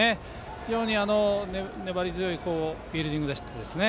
非常に粘り強いフィールディングでしたね。